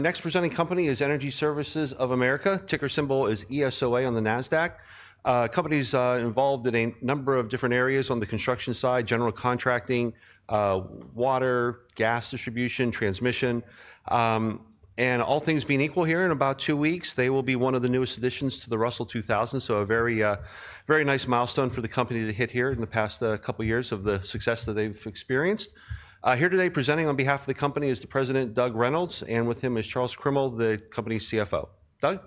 Next presenting company is Energy Services of America. ticker symbol is ESOA on the NASDAQ. Company's involved in a number of different areas on the construction side, general contracting, water, gas distribution, transmission. All things being equal here, in about two weeks, they will be one of the newest additions to the Russell 2000, so a very, very nice milestone for the company to hit here in the past couple years of the success that they've experienced. Here today presenting on behalf of the company is the President, Doug Reynolds, and with him is Charles Crimmel, the company's CFO. Doug?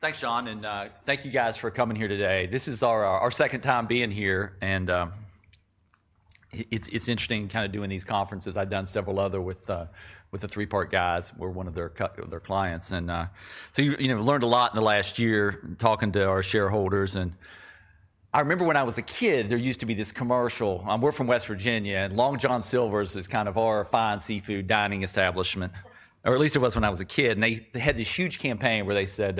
Thanks, John, and thank you guys for coming here today. This is our second time being here, and it's interesting kind of doing these conferences. I've done several others with the Three Part Advisors guys. We're one of their clients, and you know, learned a lot in the last year talking to our shareholders. I remember when I was a kid, there used to be this commercial. We're from West Virginia, and Long John Silver's is kind of our fine seafood dining establishment, or at least it was when I was a kid. They had this huge campaign where they said,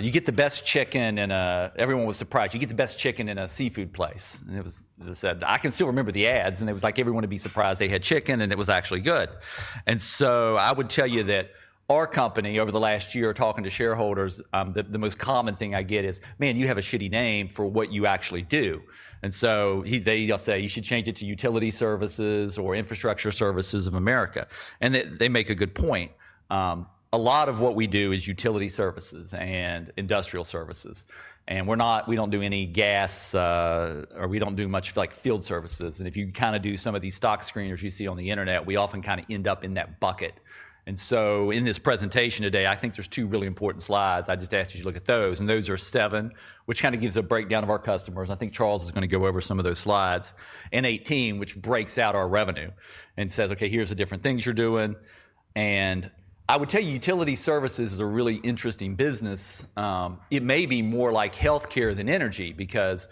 you get the best chicken in, everyone was surprised, you get the best chicken in a seafood place. It was, as I said, I can still remember the ads, and it was like everyone would be surprised they had chicken, and it was actually good. I would tell you that our company, over the last year talking to shareholders, the most common thing I get is, man, you have a shitty name for what you actually do. They'll say, you should change it to Utility Services or Infrastructure Services of America. They make a good point. A lot of what we do is utility services and industrial services. We're not, we don't do any gas, or we don't do much like field services. If you kind of do some of these stock screeners you see on the internet, we often kind of end up in that bucket. In this presentation today, I think there's two really important slides. I just asked you to look at those, and those are seven, which kind of gives a breakdown of our customers. I think Charles is going to go over some of those slides, and 18, which breaks out our revenue and says, okay, here are the different things you're doing. I would tell you utility services is a really interesting business. It may be more like healthcare than energy because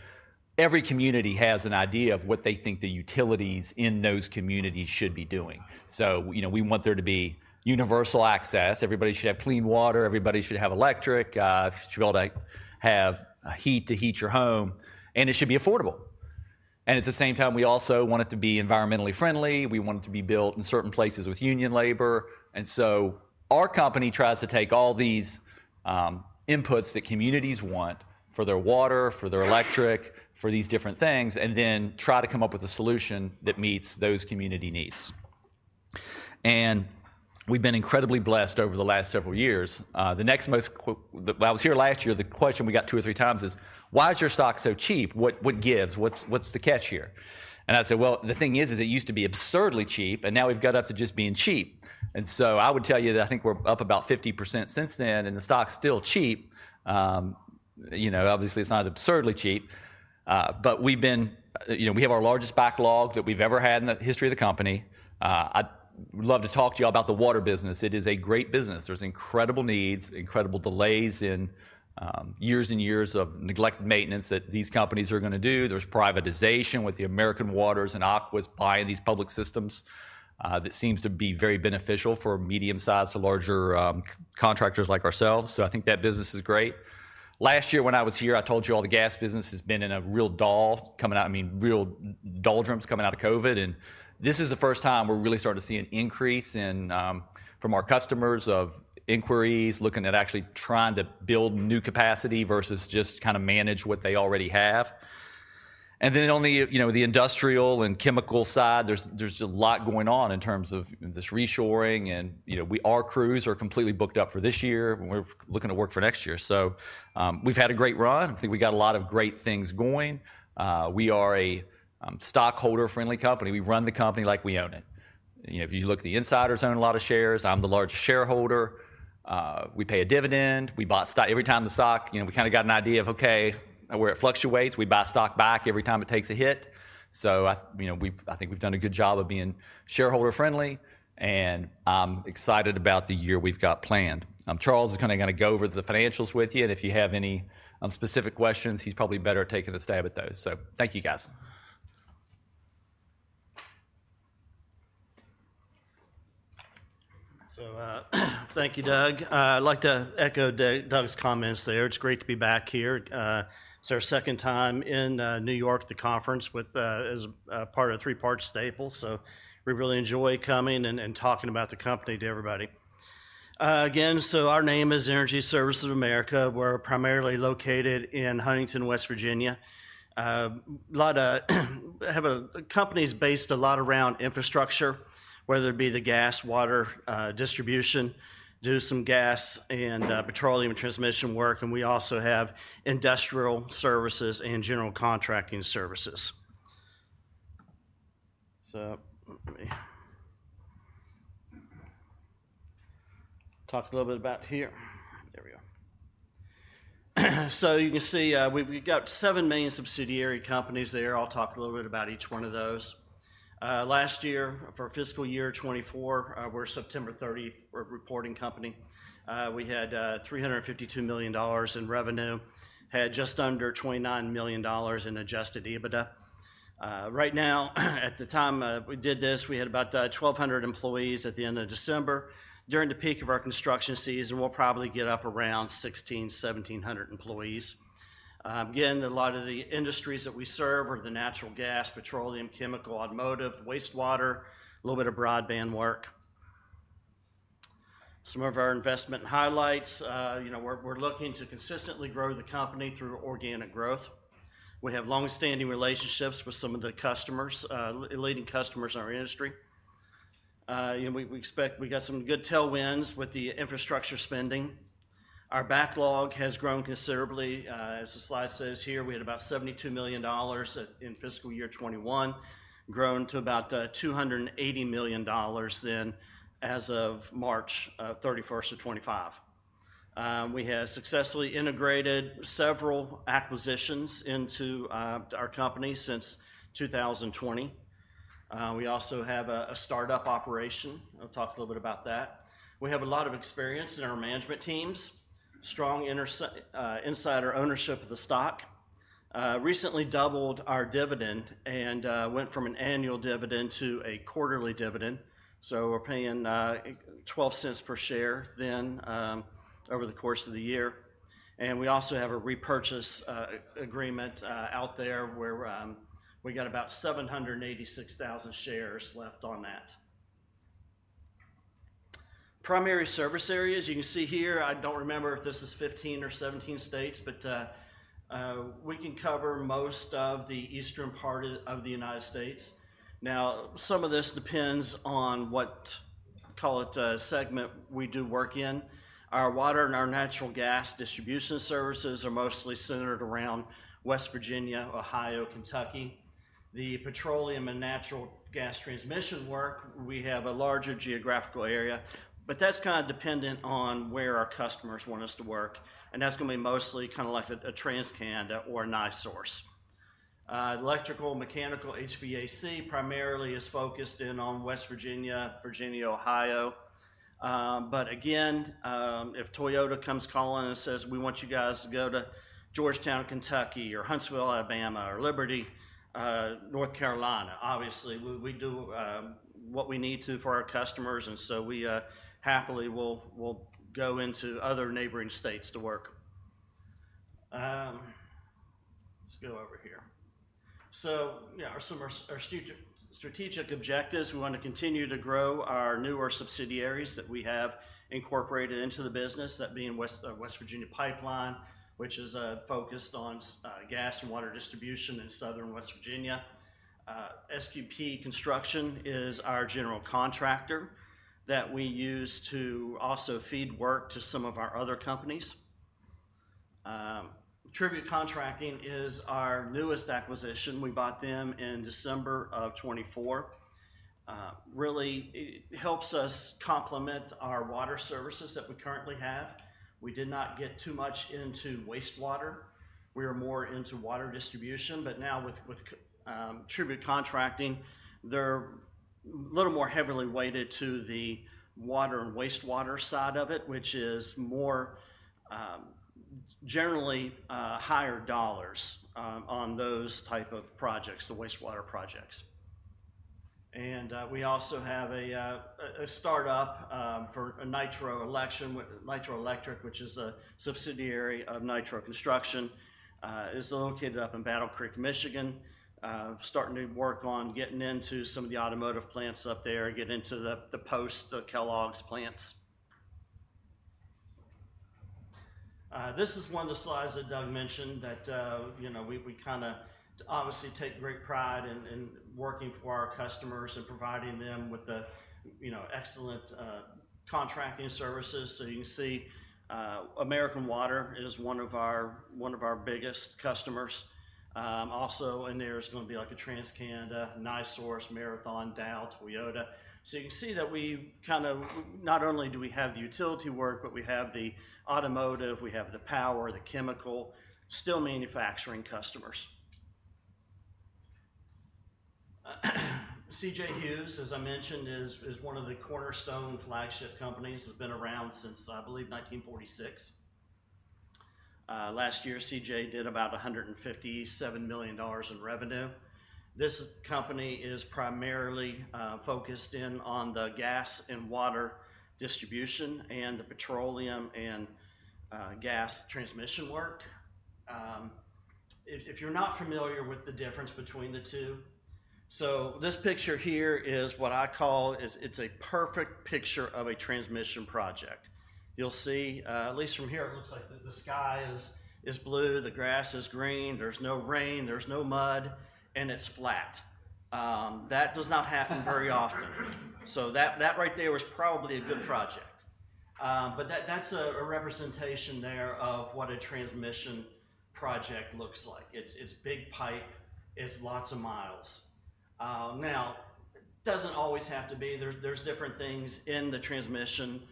every community has an idea of what they think the utilities in those communities should be doing. You know, we want there to be universal access. Everybody should have clean water. Everybody should have electric. Should be able to have heat to heat your home. It should be affordable. At the same time, we also want it to be environmentally friendly. We want it to be built in certain places with union labor. Our company tries to take all these inputs that communities want for their water, for their electric, for these different things, and then try to come up with a solution that meets those community needs. We've been incredibly blessed over the last several years. The next most, when I was here last year, the question we got two or three times is, why is your stock so cheap? What gives? What's the catch here? I said, the thing is, it used to be absurdly cheap, and now we've got up to just being cheap. I would tell you that I think we're up about 50% since then, and the stock's still cheap. You know, obviously it's not absurdly cheap. We've been, you know, we have our largest backlog that we've ever had in the history of the company. I'd love to talk to you all about the water business. It is a great business. There's incredible needs, incredible delays in, years and years of neglected maintenance that these companies are going to do. There's privatization with the American Waters and Aquas buying these public systems, that seems to be very beneficial for medium-sized to larger contractors like ourselves. I think that business is great. Last year when I was here, I told you all the gas business has been in a real dull, coming out, I mean, real doldrums coming out of COVID. This is the first time we're really starting to see an increase in, from our customers of inquiries looking at actually trying to build new capacity versus just kind of manage what they already have. Only, you know, the industrial and chemical side, there's a lot going on in terms of this reshoring. You know, our crews are completely booked up for this year, and we're looking to work for next year. We've had a great run. I think we got a lot of great things going. We are a stockholder-friendly company. We run the company like we own it. You know, if you look at the insiders, I own a lot of shares. I'm the largest shareholder. We pay a dividend. We bought stock every time the stock, you know, we kind of got an idea of, okay, where it fluctuates, we buy stock back every time it takes a hit. You know, I think we've done a good job of being shareholder-friendly, and I'm excited about the year we've got planned. Charles is kind of going to go over the financials with you, and if you have any specific questions, he's probably better at taking a stab at those. Thank you, guys. Thank you, Doug. I'd like to echo Doug's comments there. It's great to be back here. It's our second time in New York, the conference with, as a part of Three Part Staples. We really enjoy coming and talking about the company to everybody. Again, our name is Energy Services of America. We're primarily located in Huntington, West Virginia. The company's based a lot around infrastructure, whether it be the gas, water, distribution, do some gas and petroleum and transmission work. We also have industrial services and general contracting services. Let me talk a little bit about here. There we go. You can see, we got seven main subsidiary companies there. I'll talk a little bit about each one of those. Last year, for fiscal year 2024, we're a September 30 reporting company. We had $352 million in revenue, had just under $29 million in adjusted EBITDA. Right now, at the time we did this, we had about 1,200 employees at the end of December. During the peak of our construction season, we'll probably get up around 1,600employees-1,700 employees. Again, a lot of the industries that we serve are the natural gas, petroleum, chemical, automotive, wastewater, a little bit of broadband work. Some of our investment highlights, you know, we're looking to consistently grow the company through organic growth. We have longstanding relationships with some of the customers, leading customers in our industry. You know, we expect we got some good tailwinds with the infrastructure spending. Our backlog has grown considerably. As the slide says here, we had about $72 million in fiscal year 2021, grown to about $280 million then as of March 31, 2025. We have successfully integrated several acquisitions into our company since 2020. We also have a startup operation. I'll talk a little bit about that. We have a lot of experience in our management teams, strong insider ownership of the stock, recently doubled our dividend, and went from an annual dividend to a quarterly dividend. We are paying $0.12 per share then, over the course of the year. We also have a repurchase agreement out there where we got about 786,000 shares left on that. Primary service areas, you can see here, I do not remember if this is 15 states or 17 states, but we can cover most of the eastern part of the United States. Now, some of this depends on what, call it, segment we do work in. Our water and our natural gas distribution services are mostly centered around West Virginia, Ohio, Kentucky. The petroleum and natural gas transmission work, we have a larger geographical area, but that's kind of dependent on where our customers want us to work. That's going to be mostly kind of like a, a TC Energy or a NiSource. Electrical, mechanical, HVAC primarily is focused in on West Virginia, Virginia, Ohio. But again, if Toyota comes calling and says, we want you guys to go to Georgetown, Kentucky, or Huntsville, Alabama, or Liberty, North Carolina, obviously we do what we need to for our customers. We happily will go into other neighboring states to work. Let's go over here. So, yeah, our, some, our strategic objectives, we want to continue to grow our newer subsidiaries that we have incorporated into the business, that being West Virginia Pipeline, which is focused on gas and water distribution in southern West Virginia. SQP Construction is our general contractor that we use to also feed work to some of our other companies. Tribute Contracting is our newest acquisition. We bought them in December of 2024. Really, it helps us complement our water services that we currently have. We did not get too much into wastewater. We are more into water distribution. Now with Tribute Contracting, they're a little more heavily weighted to the water and wastewater side of it, which is more, generally, higher dollars on those type of projects, the wastewater projects. We also have a startup for Nitro Electric, which is a subsidiary of Nitro Construction, located up in Battle Creek, Michigan, starting to work on getting into some of the automotive plants up there, getting into the post, the Kellogg's plants. This is one of the slides that Doug mentioned that, you know, we kind of obviously take great pride in, in working for our customers and providing them with the, you know, excellent contracting services. You can see, American Water is one of our, one of our biggest customers. Also in there is going to be like a TC Energy, NiSource, Marathon, Dow, Toyota. You can see that we kind of, not only do we have the utility work, but we have the automotive, we have the power, the chemical, still manufacturing customers. CJ Hughes, as I mentioned, is, is one of the cornerstone flagship companies. It's been around since, I believe, 1946. Last year, CJ did about $157 million in revenue. This company is primarily focused in on the gas and water distribution and the petroleum and gas transmission work. If you're not familiar with the difference between the two, this picture here is what I call, it's a perfect picture of a transmission project. You'll see, at least from here, it looks like the sky is blue, the grass is green, there's no rain, there's no mud, and it's flat. That does not happen very often. That right there was probably a good project. That's a representation there of what a transmission project looks like. It's big pipe, it's lots of miles. Now, it doesn't always have to be. There's different things in the transmission.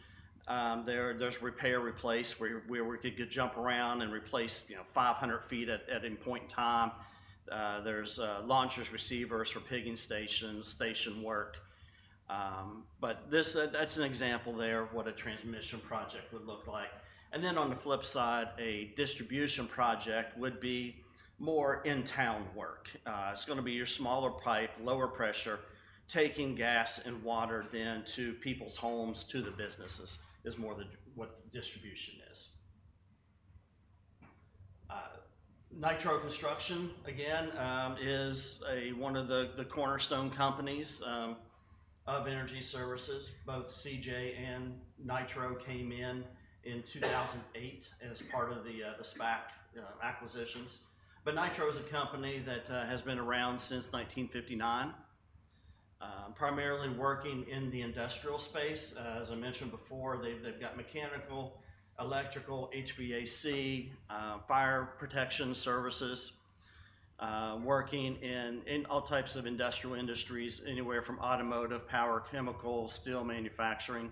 There's repair, replace where we could jump around and replace, you know, 500 feet at any point in time. There's launchers, receivers for pigging stations, station work. But this, that's an example there of what a transmission project would look like. On the flip side, a distribution project would be more in-town work. It's going to be your smaller pipe, lower pressure, taking gas and water then to people's homes, to the businesses is more than what the distribution is. Nitro Construction, again, is one of the cornerstone companies of Energy Services. Both CJ and Nitro came in, in 2008 as part of the SPAC acquisitions. Nitro is a company that has been around since 1959, primarily working in the industrial space. As I mentioned before, they've got mechanical, electrical, HVAC, fire protection services, working in all types of industrial industries, anywhere from automotive, power, chemical, steel manufacturing.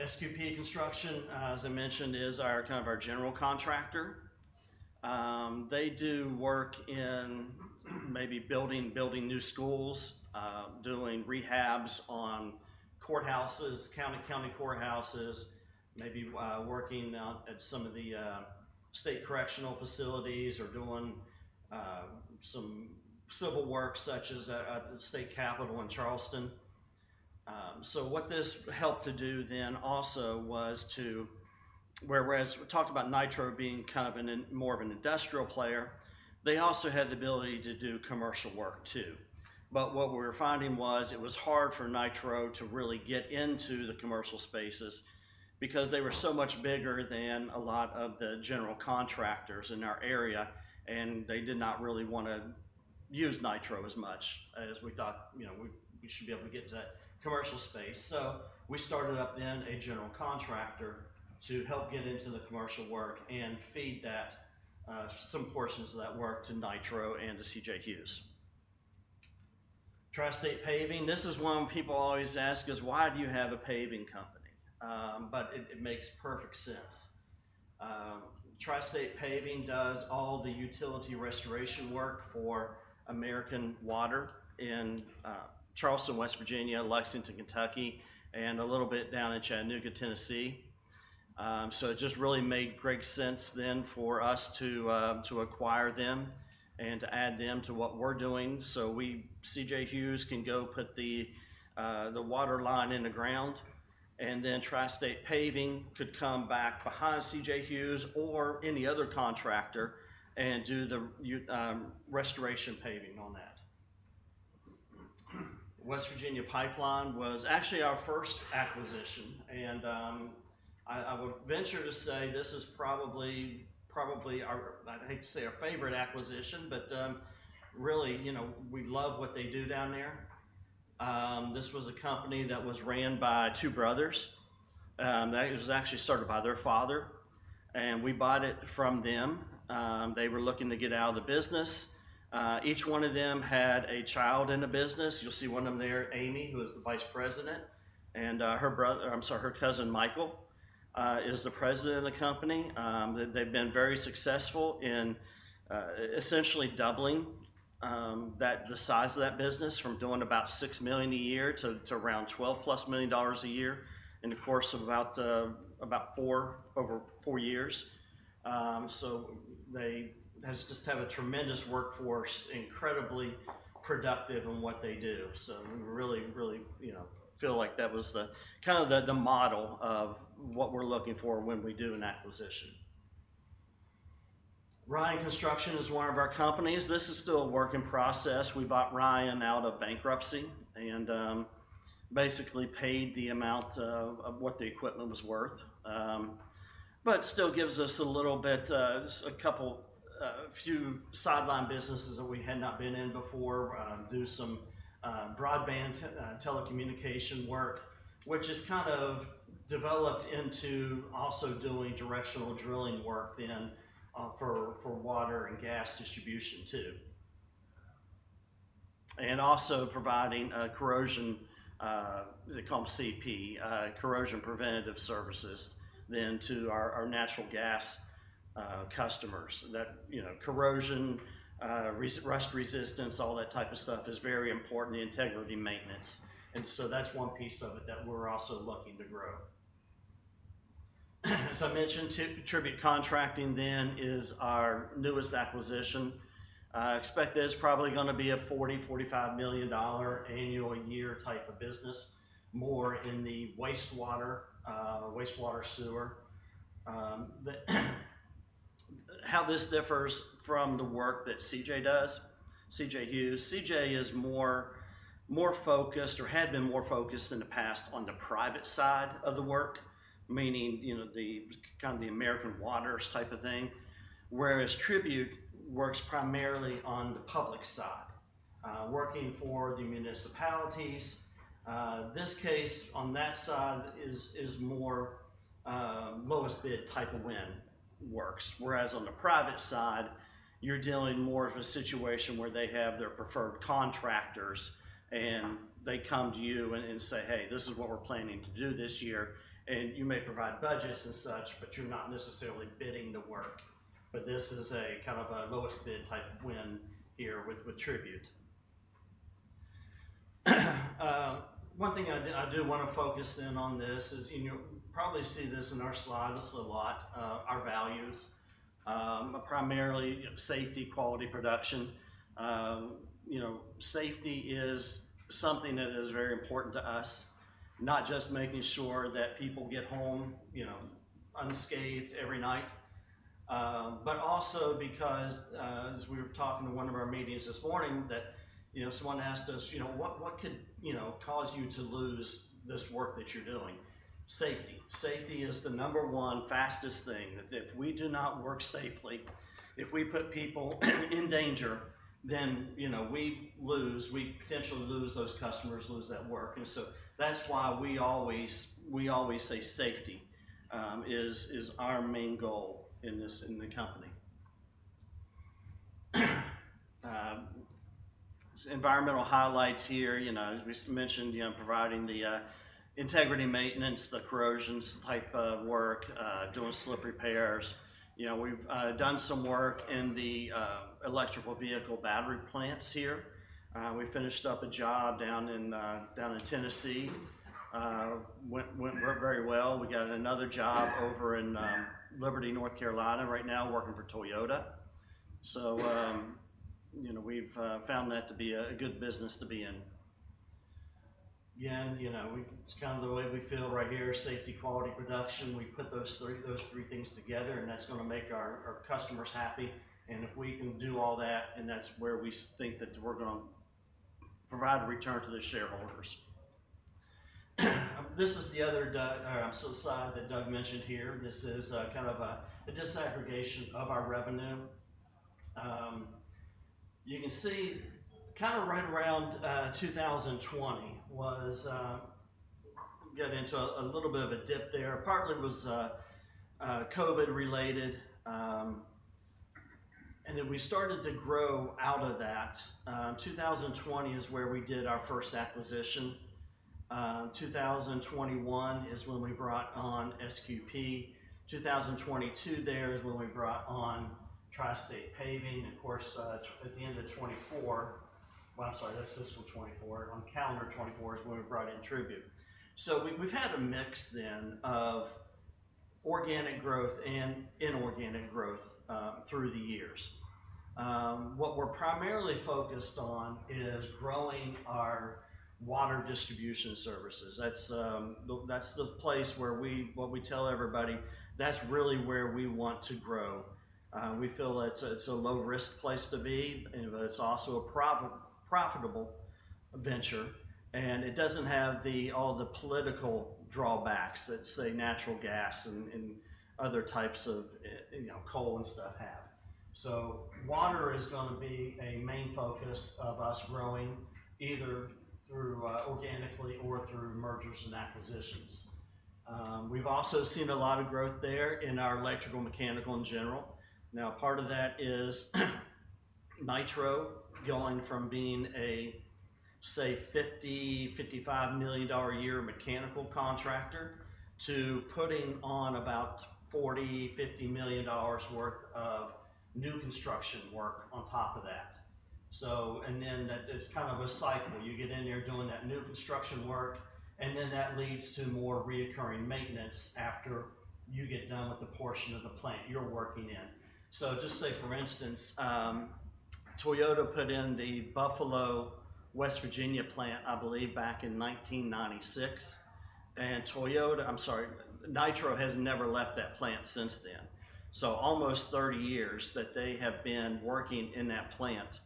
SQP Construction, as I mentioned, is our kind of our general contractor. They do work in maybe building new schools, doing rehabs on courthouses, county courthouses, maybe working out at some of the state correctional facilities or doing some civil work such as at the state capital in Charleston. What this helped to do then also was to, whereas we talked about Nitro being kind of more of an industrial player, they also had the ability to do commercial work too. What we were finding was it was hard for Nitro to really get into the commercial spaces because they were so much bigger than a lot of the general contractors in our area, and they did not really want to use Nitro as much as we thought, you know, we should be able to get to that commercial space. We started up then a general contractor to help get into the commercial work and feed that, some portions of that work to Nitro and to CJ Hughes. Tri-State Paving, this is one people always ask is, why do you have a paving company? It makes perfect sense. Tri-State Paving does all the utility restoration work for American Water in Charleston, West Virginia, Lexington, Kentucky, and a little bit down in Chattanooga, Tennessee. It just really made great sense then for us to acquire them and to add them to what we are doing so we, CJ Hughes, can go put the water line in the ground. Then Tri-State Paving could come back behind CJ Hughes or any other contractor and do the restoration paving on that. West Virginia Pipeline was actually our first acquisition, and I would venture to say this is probably, probably our, I hate to say our favorite acquisition, but, really, you know, we love what they do down there. This was a company that was ran by two brothers that was actually started by their father, and we bought it from them. They were looking to get out of the business. Each one of them had a child in the business. You'll see one of them there, Amy, who is the Vice President, and her cousin, Michael, is the President of the company. They've been very successful in, essentially doubling the size of that business from doing about $6 million a year to around $12 plus million a year in the course of about four, over four years. They just have a tremendous workforce, incredibly productive in what they do. We really, really, you know, feel like that was kind of the model of what we're looking for when we do an acquisition. Ryan Construction is one of our companies. This is still a work in process. We bought Ryan out of bankruptcy and basically paid the amount of what the equipment was worth, but still gives us a little bit, a couple, a few sideline businesses that we had not been in before, do some broadband, telecommunication work, which has kind of developed into also doing directional drilling work then, for water and gas distribution too. Also providing corrosion, they call them CP, corrosion preventative services to our natural gas customers, you know, corrosion, rust resistance, all that type of stuff is very important, the integrity maintenance. That is one piece of it that we are also looking to grow. As I mentioned, Tribute Contracting is our newest acquisition. I expect this is probably going to be a $40-$45 million annual year type of business, more in the wastewater, wastewater sewer. How this differs from the work that CJ does, CJ Hughes, CJ is more focused or had been more focused in the past on the private side of the work, meaning, you know, the kind of the American Water Works type of thing, whereas Tribute works primarily on the public side, working for the municipalities. This case on that side is more lowest bid type of win works, whereas on the private side, you're dealing more of a situation where they have their preferred contractors and they come to you and say, "Hey, this is what we're planning to do this year." You may provide budgets and such, but you're not necessarily bidding the work. This is a kind of a lowest bid type of win here with Tribute. One thing I do want to focus in on this is, and you'll probably see this in our slides a lot, our values, primarily safety, quality, production. You know, safety is something that is very important to us, not just making sure that people get home, you know, unscathed every night, but also because, as we were talking to one of our meetings this morning, that, you know, someone asked us, you know, what, what could, you know, cause you to lose this work that you're doing? Safety. Safety is the number one fastest thing that if we do not work safely, if we put people in danger, then, you know, we lose, we potentially lose those customers, lose that work. That is why we always, we always say safety is, is our main goal in this, in the company. Environmental highlights here, you know, as we mentioned, you know, providing the integrity maintenance, the corrosion type of work, doing slip repairs. You know, we've done some work in the electrical vehicle battery plants here. We finished up a job down in Tennessee. Went very well. We got another job over in Liberty, North Carolina right now, working for Toyota. You know, we've found that to be a good business to be in. Again, you know, it's kind of the way we feel right here: safety, quality, production. We put those three things together, and that's going to make our customers happy. If we can do all that, that's where we think that we're going to provide a return to the shareholders. This is the other Doug, or I'm so sorry, that Doug mentioned here. This is kind of a disaggregation of our revenue. You can see kind of right around 2020, we got into a little bit of a dip there. Partly was COVID related. and then we started to grow out of that. 2020 is where we did our first acquisition. 2021 is when we brought on SQP. 2022 there is when we brought on Tri-State Paving. Of course, at the end of 2024, well, I'm sorry, that's fiscal 2024. On calendar 2024 is when we brought in Tribute. So we've had a mix then of organic growth and inorganic growth, through the years. what we're primarily focused on is growing our water distribution services. That's, that's the place where we, what we tell everybody, that's really where we want to grow. we feel it's a, it's a low risk place to be, but it's also a profitable venture, and it doesn't have the, all the political drawbacks that say natural gas and, and other types of, you know, coal and stuff have. Water is going to be a main focus of us growing either organically or through mergers and acquisitions. We've also seen a lot of growth there in our electrical, mechanical in general. Now, part of that is Nitro going from being a, say, $50-$55 million a year mechanical contractor to putting on about $40-$50 million worth of new construction work on top of that. It is kind of a cycle. You get in there doing that new construction work, and then that leads to more reoccurring maintenance after you get done with the portion of the plant you're working in. Just say, for instance, Toyota put in the Buffalo, West Virginia plant, I believe back in 1996, and Nitro has never left that plant since then. Almost 30 years that they have been working in that plant,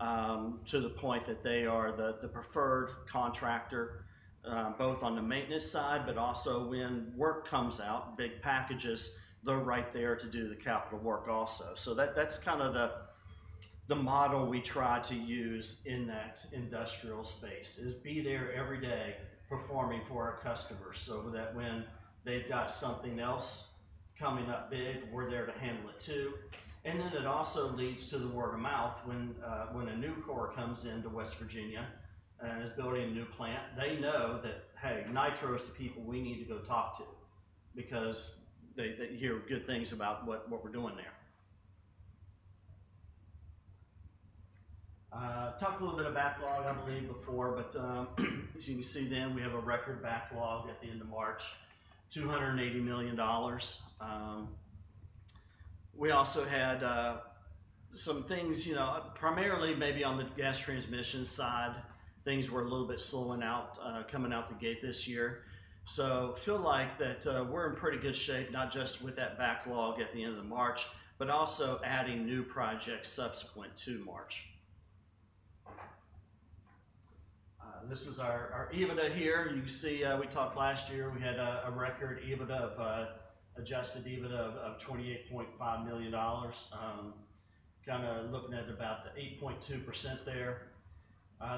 to the point that they are the preferred contractor, both on the maintenance side, but also when work comes out, big packages, they're right there to do the capital work also. That is kind of the model we try to use in that industrial space, is be there every day performing for our customers so that when they've got something else coming up big, we're there to handle it too. It also leads to the word of mouth when a new core comes into West Virginia and is building a new plant, they know that, hey, Nitro is the people we need to go talk to because they hear good things about what we're doing there. Talk a little bit of backlog, I believe before, but, as you can see then, we have a record backlog at the end of March, $280 million. We also had, some things, you know, primarily maybe on the gas transmission side, things were a little bit slowing out, coming out the gate this year. So feel like that, we're in pretty good shape, not just with that backlog at the end of March, but also adding new projects subsequent to March. This is our, our EBITDA here. You can see, we talked last year, we had a, a record EBITDA of, adjusted EBITDA of, of $28.5 million. Kind of looking at about the 8.2% there.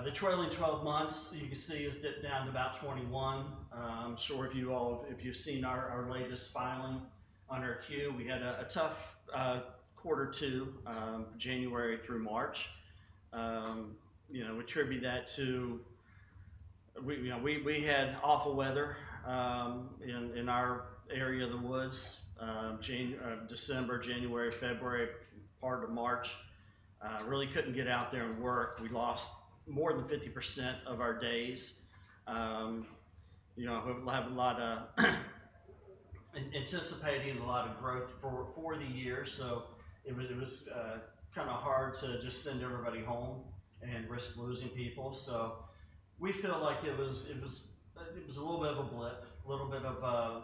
The trailing 12 months, you can see is dipped down to about 21. I'm sure if you all, if you've seen our, our latest filing on our queue, we had a tough quarter two, January through March. You know, attribute that to, we had awful weather in our area of the woods, January, December, January, February, part of March. Really couldn't get out there and work. We lost more than 50% of our days. You know, we'll have a lot of anticipating a lot of growth for the year. It was kind of hard to just send everybody home and risk losing people. We feel like it was a little bit of a blip, a little bit of a,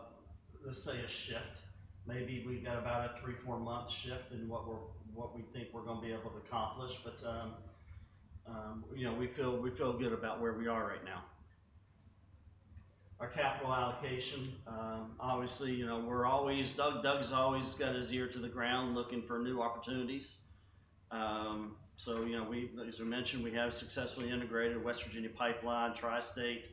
let's say a shift. Maybe we've got about a three-four month shift in what we're, what we think we're going to be able to accomplish. You know, we feel good about where we are right now. Our capital allocation, obviously, you know, we're always, Doug's always got his ear to the ground looking for new opportunities. You know, we, as we mentioned, we have successfully integrated West Virginia Pipeline, Tri-State,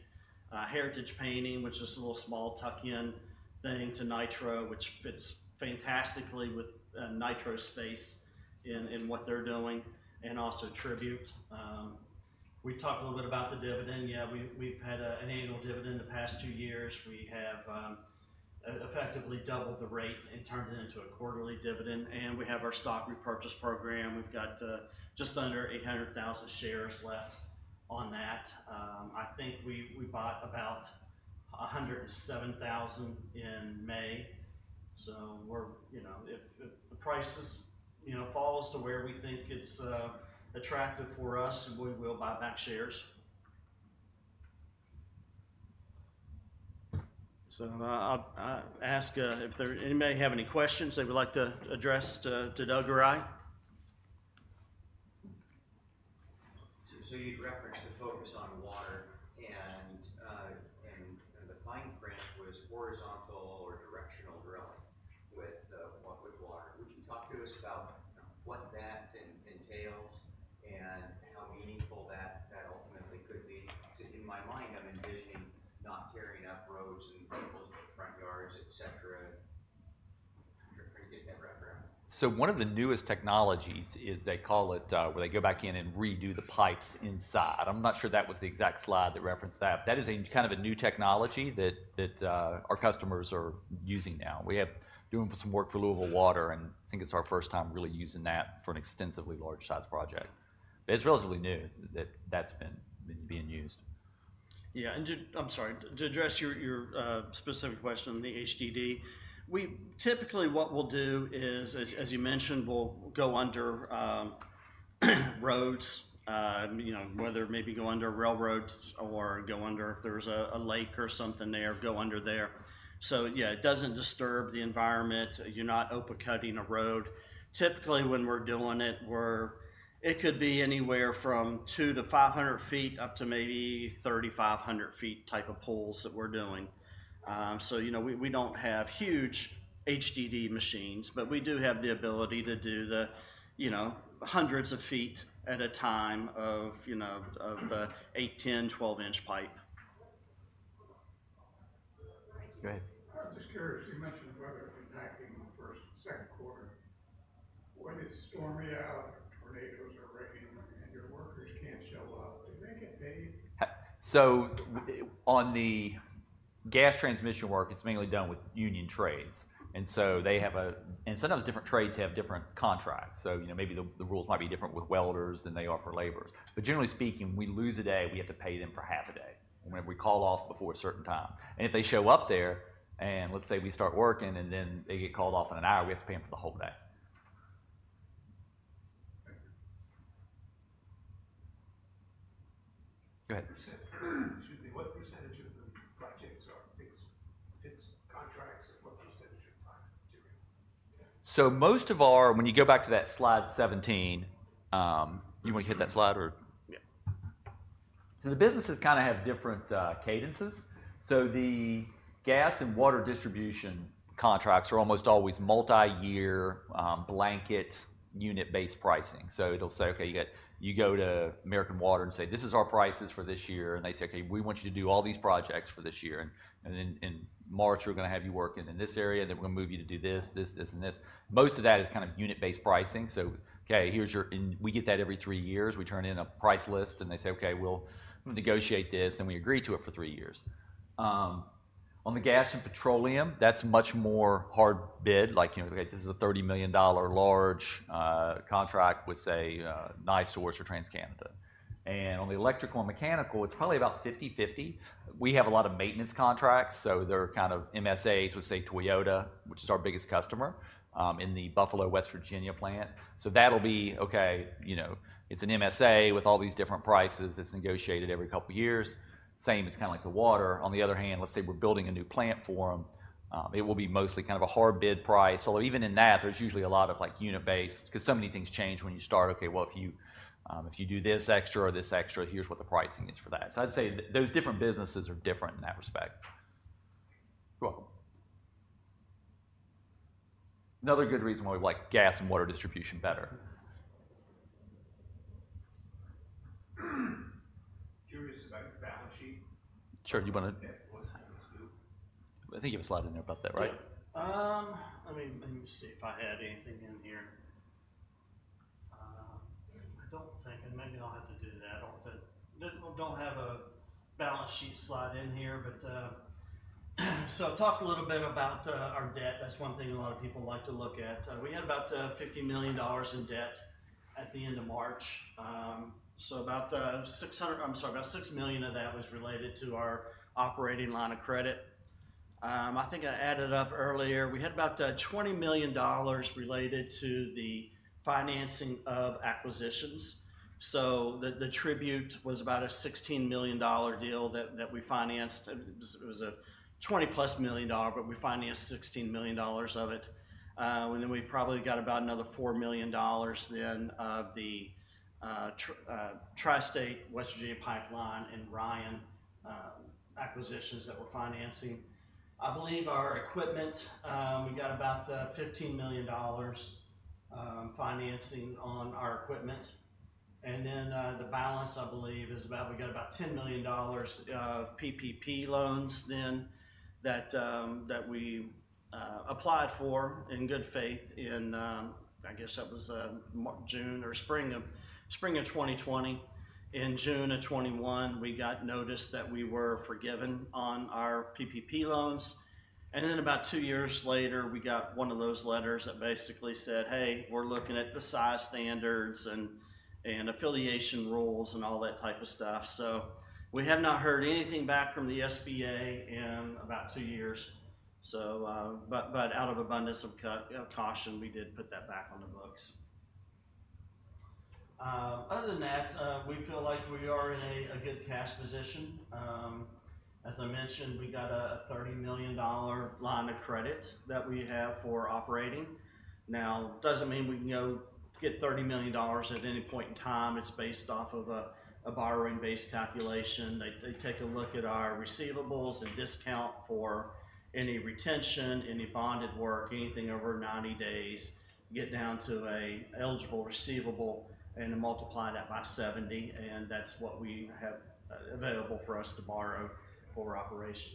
Heritage Painting, which is a little small tuck-in thing to Nitro, which fits fantastically with Nitro space in what they're doing. And also Tribute. We talked a little bit about the dividend. Yeah, we've had an annual dividend the past two years. We have effectively doubled the rate and turned it into a quarterly dividend. And we have our stock repurchase program. We've got just under 800,000 shares left on that. I think we bought about 107,000 in May. We're, you know, if the price falls to where we think it's attractive for us, we will buy back shares. I'll ask if anybody has any questions they would like to address to Doug or I. You referenced the focus on water and the fine print was horizontal or directional drilling with water. Would you talk to us about what that entails and how meaningful that ultimately could be? Because in my mind, I'm envisioning not tearing up roads and vehicles in the front yards, et cetera. I'm trying to get that wrapped around. One of the newest technologies is they call it, where they go back in and redo the pipes inside. I'm not sure that was the exact slide that referenced that, but that is kind of a new technology that our customers are using now. We have been doing some work for Louisville Water and I think it's our first time really using that for an extensively large size project. It's relatively new that that's been used. Yeah. To address your specific question on the HDD, typically what we'll do is, as you mentioned, we'll go under roads, you know, maybe go under railroads or go under if there's a lake or something there, go under there. Yeah, it doesn't disturb the environment. You're not open cutting a road. Typically when we're doing it, it could be anywhere from 200-500 feet up to maybe 3,500 feet type of pulls that we're doing. So, you know, we don't have huge HDD machines, but we do have the ability to do the, you know, hundreds of feet at a time of, you know, of the 8, 10, 12 inch pipe. Go ahead. I'm just curious. You mentioned weather impacting the first, second quarter. When it's stormy out or tornadoes or rain and your workers can't show up, do they get paid? On the gas transmission work, it's mainly done with union trades. And so they have a, and sometimes different trades have different contracts. You know, maybe the rules might be different with welders than they are for laborers. But generally speaking, we lose a day, we have to pay them for half a day whenever we call off before a certain time. If they show up there and let's say we start working and then they get called off in an hour, we have to pay them for the whole day. Go ahead. Excuse me. What percentage of the projects are fixed, fixed contracts and what percentage of time doing? Most of our, when you go back to that slide 17, you want to hit that slide or? Yeah. The businesses kind of have different cadences. The gas and water distribution contracts are almost always multi-year, blanket unit-based pricing. It'll say, okay, you go to American Water and say, this is our prices for this year. They say, okay, we want you to do all these projects for this year. In March, we're going to have you working in this area. We're going to move you to do this, this, this, and this. Most of that is kind of unit-based pricing. Okay, here's your, and we get that every three years. We turn in a price list and they say, okay, we'll negotiate this and we agree to it for three years. On the gas and petroleum, that's much more hard bid. Like, you know, this is a $30 million large contract with, say, NiSource or TC Energy. On the electrical and mechanical, it's probably about 50-50. We have a lot of maintenance contracts. They're kind of MSAs with, say, Toyota, which is our biggest customer, in the Buffalo, West Virginia plant. That'll be, okay, you know, it's an MSA with all these different prices. It's negotiated every couple of years. Same as kind of like the water. On the other hand, let's say we're building a new plant for them, it will be mostly kind of a hard bid price. Although even in that, there's usually a lot of like unit-based because so many things change when you start. Okay, well, if you do this extra or this extra, here's what the pricing is for that. I'd say those different businesses are different in that respect. You're welcome. Another good reason why we like gas and water distribution better. Curious about your balance sheet. Sure. You want to know what happens too? I think you have a slide in there about that, right? Let me see if I had anything in here. I don't think, and maybe I'll have to do that. I don't think I have a balance sheet slide in here, but I'll talk a little bit about our debt. That's one thing a lot of people like to look at. We had about $50 million in debt at the end of March. We had about $6 million of that related to our operating line of credit. I think I added up earlier. We had about $20 million related to the financing of acquisitions. The Tribute was about a $16 million deal that we financed. It was a $20 million-plus deal, but we financed $16 million of it. We've probably got about another $4 million of the Tri-State, West Virginia Pipeline, and Ryan acquisitions that we're financing. I believe our equipment, we got about $15 million financing on our equipment. The balance, I believe, is about, we got about $10 million of PPP loans that we applied for in good faith in, I guess that was, spring of 2020. In June of 2021, we got noticed that we were forgiven on our PPP loans. About two years later, we got one of those letters that basically said, hey, we're looking at the size standards and affiliation rules and all that type of stuff. We have not heard anything back from the SBA in about two years. Out of abundance of caution, we did put that back on the books. Other than that, we feel like we are in a good cash position. As I mentioned, we got a $30 million line of credit that we have for operating. Now, it doesn't mean we can go get $30 million at any point in time. It's based off of a borrowing-based calculation. They take a look at our receivables and discount for any retention, any bonded work, anything over 90 days, get down to an eligible receivable and multiply that by 70. And that's what we have available for us to borrow for operations.